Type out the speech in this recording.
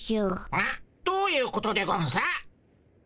えっ？どういうことでゴンス？